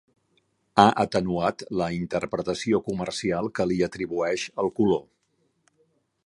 Ha atenuat la interpretació comercial que li atribueix el color.